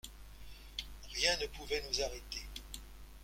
Rien ne pouvait nous arrêter.